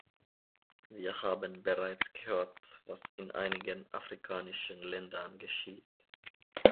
Wir haben bereits gehört, was in einigen afrikanischen Ländern geschieht.